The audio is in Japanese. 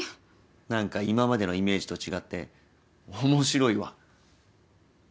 なんか今までのイメージと違って面白いわ。